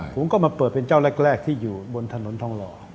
ผมก็มาเปิดเป็นเจ้าแรกที่อยู่บนถนนทองหล่อ